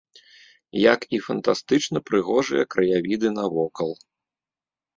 Як і фантастычна прыгожыя краявіды навокал.